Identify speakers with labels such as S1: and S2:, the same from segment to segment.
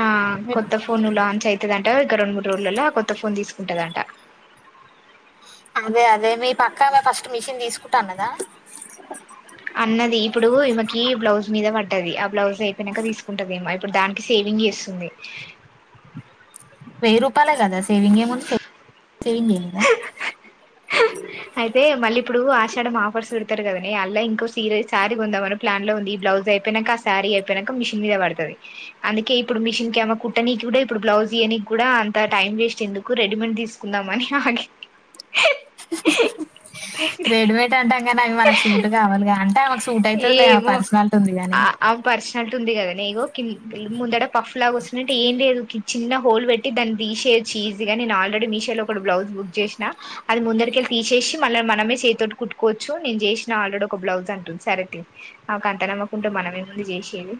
S1: ఆ కొత్త phone launch అయి దంట ఇంక రెండు మూడు రోజులలా కొత్త ఫోన్ తీసుకుంటదంటా
S2: అదే అదే మీ పక్కమే ఫస్ట్ మిషన్ తీసుకుంటాన్నదా
S1: అన్నది ఇప్పుడు ఈమెకి బ్లౌజ్ మీద పడ్డది ఆ బ్లౌజ్ అయిపోయినాక తీసుకుంటది ఏమ ఇప్పుడు దానికి సేవింగ్ చేస్తుంది
S2: వెయ్యిూరూపాలే కదా సేవింగ్ ఏముంది సేవింగ్ ఎ కదా
S1: అయితే మళ్ళీ ఇప్పుడు ఆషాడం ఆఫర్స్ పెడతారు కదనే అల్లా ఇంకో సీరే శారీ కొందామని ప్లాన్ లో ఉంది ఈ బ్లౌజ్ అయిపోయినంక శారీ అయిపోయినంక మిషన్ మీద పడుతది. అందుకే ఇప్పుడు మిషన్ కేమో కుట్టనీకి కూడా ఇప్పుడు బ్లౌజ్ ఇయ్యనీకి కూడా అంత టైం వేస్ట్ ఎందుకు, రెడీమేడ్ తీసు కుందామని ఆగాను
S2: రెడీమేట్ అంటాం కానీ అవి మనకు సూట్ కావాలిగా అంటే ఆమెకు సూట్ అవుతదిలే ఆమెకు
S1: ఏమో
S2: పర్సనాలిటీ ఉంది గాని
S1: ఆ పర్సనాలిటీ ఉంది కదా నీకు, కి ముందట పఫ్ లాగా వచ్చినట్టు ఏందే ఏదో కి చిన్న హోల్ పెట్టి దాన్ని తీసేయొచ్చు ఈజీగా నేను ఆల్రెడీ మీషోలో ఒకటి బ్లౌజ్ బుక్ చేసిన అది ముందరికెళ్ళి తీసేసి మళ్ళా మనమే చెయ్యితోటి కుట్టుకోవచ్చు నేను చేసిన ఆల్రెడీ ఒక బ్లౌజ్ అంటుంది. సరే తియ్, ఆమెకు అంత నమ్మకముంటే మనం ఏముంది చేసేది.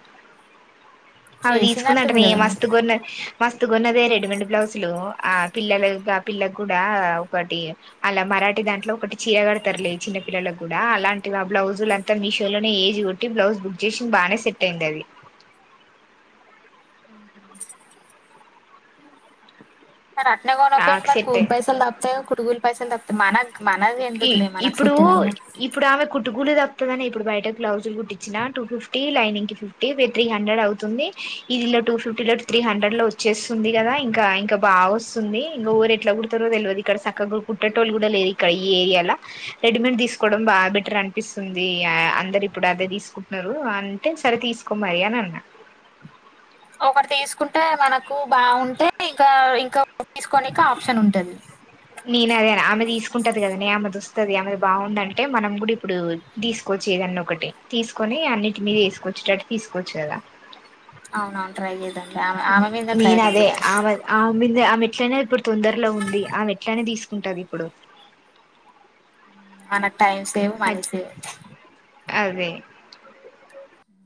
S1: ఆమె
S2: చేసిందంటుంది
S1: తీసుకుందంటనే
S2: కదా మరి
S1: మస్తు కొన్న మస్తుకొన్నదే రెడీమేడ్ బ్లౌజులు ఆ పిల్లలకి ఆ పిల్లకి కూడా ఒకటి ఆళ్ళ మరాఠీ దాంట్లో ఒకటి చీరకడతారులే చిన్న పిల్లలకు కూడా అలాంటివి ఆ బ్లౌజులు మొత్తం మీషోలోనే ఏజ్ కొట్టి బ్లౌజ్ బుక్ చేసి బానే సెట్ అయింది అది.
S2: పాలం పం మరి అట్నే కొనకపోయింది
S1: ఆకు
S2: మరి
S1: సెట్టే
S2: కూలి పైసలు తగ్గుతాయిగా కుట్టుకూలి పైసలు తగ్గుతాయి, మన మనది
S1: ఈ
S2: ఎందుకులే మనకు
S1: ఇప్పుడు
S2: సెట్ కాదు
S1: ఇప్పుడు ఆమె కుట్టుకూలి తగ్గుతదని ఇప్పుడు బయటకు బ్లౌజులు కుట్టిచ్చినా టూఫిఫ్టీ లైనింగ్ కి ఫిఫ్టీ త్రీ హండ్రెడ్ అవుతుంది ఇదిలో టూఫిఫ్టీ లో త్రీ హండ్రెడ్ లో వచ్చేస్తుంది కదా ఇంకా ఇంకా బా వస్ స్తుంది ఇంకా ఎవరు ఎట్లా కుడతారో తెలవదు ఇక్కడ చక్కగా కుట్టేటోళ్ళు కూడా లేదు ఇక్కడ ఈ ఏరియాల రెడీమేడ్ తీసుకోవడం బాగా బెటర్ అనిపిస్తుంది అందరు ఇప్పుడు అదే తీసుకుంటున్నారు అన్ అంటే సరే తీసుకో మరి అని అన్నా
S2: ఒకటి తీసుకుంటే మనకు బాగుంటే ఇంకా ఇంకా తీసుకోనికి ఆప్షన్ ఉంటది.
S1: నేను అదేన్నా ఆమె తీసుకుంటది కదనే ఆమెది వస్తది ఆమెది బాగుందంటే మనం కూడా ఇప్పుడు తీసుకోవచ్చు ఏదన్న ఒకటి, తీసుకొని అన్నింటి మీద వేసుకొచ్చేటట్టు తీసుకోవచ్చు కదా
S2: అవునవును ట్రై చేద్దాంలే, ఆమె ఆమె మీదే
S1: నేను
S2: ప్రయోగం
S1: అదే
S2: చెయ్యాలి.
S1: ఆమె ఆమె మీందే, ఆమెట్లనే ఇప్పుడు తొందరలో ఉంది ఆమె ఎట్లైనా తీసుకుంటది ఇప్పుడు.
S2: మనకు టైం సేవ్ మనీ
S1: అద్-
S2: సేవ్
S1: అదే